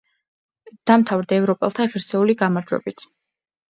დამთავრდა ევროპელთა ღირსეული გამარჯვებით.